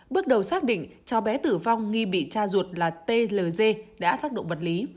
bước đầu xác định cháu bé tử vong nghi bị cha ruột là tld đã tác động vật lý